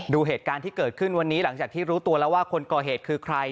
ดูเหตุการณ์ที่เกิดขึ้นวันนี้หลังจากที่รู้ตัวแล้วว่าคนก่อเหตุคือใคร